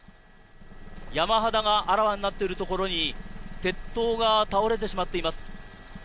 山肌があらわになっているところに鉄塔が倒れてしまっています。